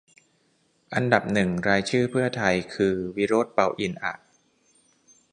อันดับหนึ่งรายชื่อเพื่อไทยคือ วิโรจน์ เปาอินทร์ อะ